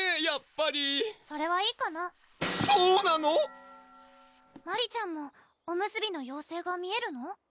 やっぱりそれはいいかなそうなの⁉マリちゃんもおむすびの妖精が見えるの？